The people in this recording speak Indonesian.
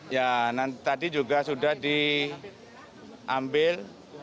ya nanti juga sudah diambil